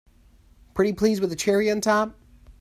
Pretty please with a cherry on top!